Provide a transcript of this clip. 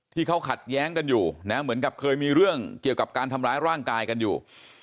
ที่เขาขัดแย้งกันอยู่นะเหมือนกับเคยมีเรื่องเกี่ยวกับการทำร้ายร่างกายกันอยู่